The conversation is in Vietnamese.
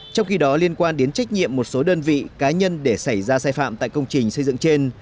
trong khi đó liên quan đến trách nhiệm một số đơn vị cá nhân để xảy ra sai phạm tại công trình xây dựng trên